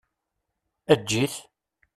Eǧǧ-it!